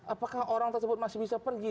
apakah orang tersebut masih bisa pergi